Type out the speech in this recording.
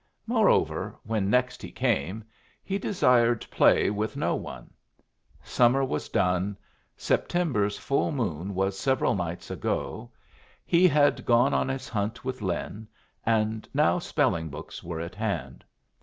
Moreover, when next he came, he desired play with no one. Summer was done. September's full moon was several nights ago; he had gone on his hunt with Lin, and now spelling books were at hand.